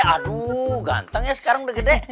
aduh ganteng ya sekarang udah gede